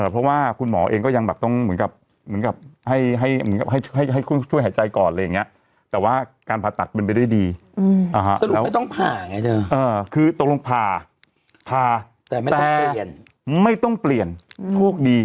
สรุปไม่ต้องผ่าไงจริงคือตรงรวมผ่าแต่ไม่ต้องเปลี่ยนโทษดี